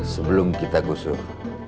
sebelum kita gusur